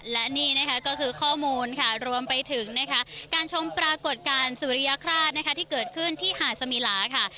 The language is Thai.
และนี่ก็คือข้อมูลรวมไปถึงการชมปรากฏการณ์สุริยคราชที่เกิดขึ้นที่หาดสมีลาค่ะ